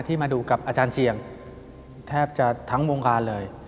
มาดูกับอาจารย์เสี่ยงแทบจะทั้งวงการเลย